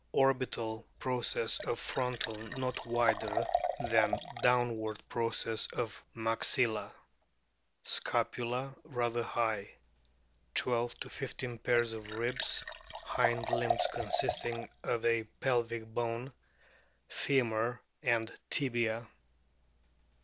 Orbital pro cess of frontal not wider than downward process of maxilla. Scapula rather high; 12 15 pairs of ribs, hind limb consisting of a pelvic bone, femur, and tibia.